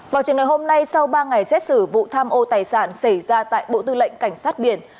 vào trường ngày hôm nay sau ba ngày xét xử vụ tham ô tài sản xảy ra tại bộ tư lệnh cảnh sát biển